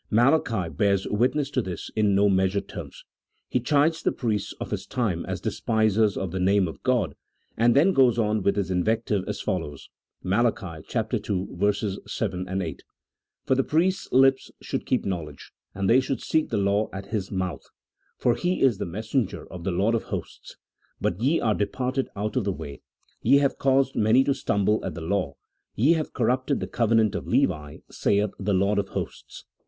Malachi bears witness to this in no measured terms : he chides the priests of his time as despisers of the name of ■God, and then goes on with his invective as follows (Mai. CHAP. XYIII.] OP CERTAIN POLITICAL DOCTRINES. 239 ii. 7, 8) :" For the priest's lips should keep knowledge, and they should seek the law at his mouth : for he is the mes senger of the Lord of hosts. But ye are departed out of the way ; ye have caused many to stumble at the law, ye have corrupted the covenant of Levi, saith the Lord of liosts."